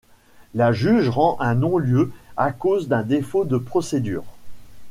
La juge rend un non-lieu à cause d'un défaut de procédure.